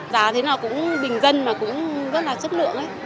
giá thế nào cũng bình dân mà cũng rất là chất lượng ấy